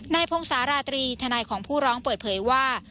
นายพ่งสาราตรีธนัยของผู้ร้องเปิดเผยว่า